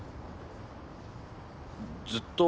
ずっと。